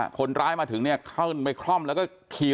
คนร้ายถึงเจ้าอื่นไปคร่อมแล้วก็ขี่รถ